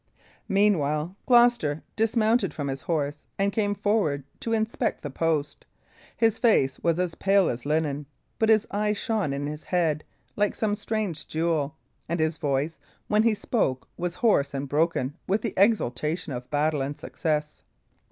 Meanwhile Gloucester dismounted from his horse and came forward to inspect the post. His face was as pale as linen; but his eyes shone in his head like some strange jewel, and his voice, when he spoke, was hoarse and broken with the exultation of battle and success.